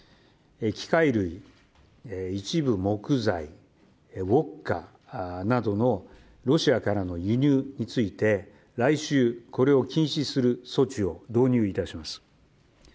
機械類、一部木材、ウォッカなどのロシアからの輸入について来週、これを禁止する措置を導入いたします。